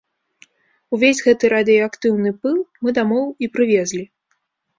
Увесь гэты радыеактыўны пыл мы дамоў і прывезлі.